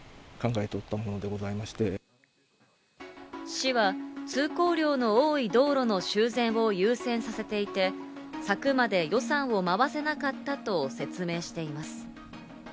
市は通行量の多い道路の修繕を優先させていて、柵まで予算を回せなかったと説明しています。